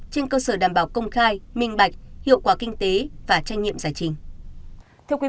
trên cơ sở đảm bảo công khai minh bạch hiệu quả kinh tế và trách nhiệm giá trình